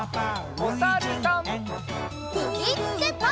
おさるさん。